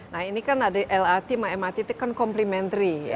nah ini kan ada lrt sama mrt itu kan complementary